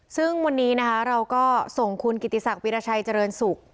ซึ่งวันนี้นะคะเราก็ส่งคุณกิติศักดิราชัยเจริญสุข